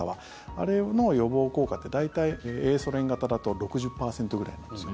あれの予防効果って大体、Ａソ連型だと６０％くらいなんですよ。